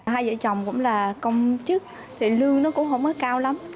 hai vợ chồng cũng là công chức thì lương nó cũng không có cao lắm